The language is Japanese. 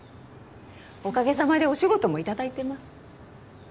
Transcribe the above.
おかげさまでお仕事もいただいてます